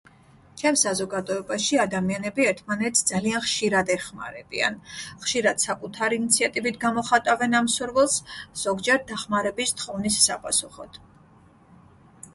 ჩემს საზოგადოებაში ადამიანები ერთმანეთს ძალიან ხშირად ეხმარებიან ხშირად საკუთარი ინიციატივით გამოხატავენ ამ სურვილს ზოგჯერ დახმარების თხოვნის საპასუხოდ